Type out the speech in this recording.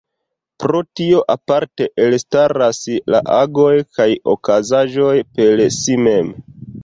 Pro tio aparte elstaras la agoj kaj okazaĵoj per si mem.